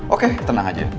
oke tenang aja